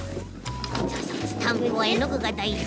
そうそうスタンプはえのぐがだいじ。